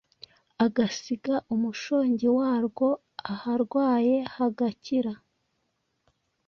agasiga umushongi warwo aharwaye hagakira